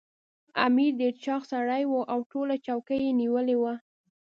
امیر ډېر چاغ سړی وو او ټوله چوکۍ یې نیولې وه.